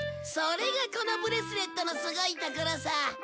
それがこのブレスレットのすごいところさ。